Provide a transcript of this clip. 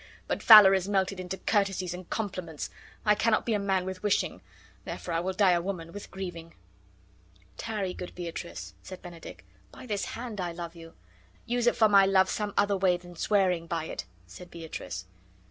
But valor is melted into courtesies and compliments. I cannot be a man with wishing, therefore I will die a woman with grieving." "Tarry, good Beatrice," said Benedick. "By this hand I love you." "Use it for my love some other way than swearing by it," said Beatrice.